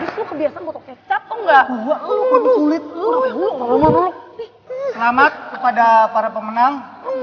selamat kepada para pemenang